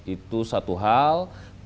itu satu hal